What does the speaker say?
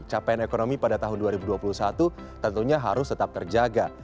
capaian ekonomi pada tahun dua ribu dua puluh satu tentunya harus tetap terjaga